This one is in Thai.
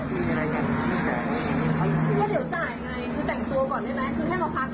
มีอะไรอย่างงั้นไม่ได้จ่ายอะไร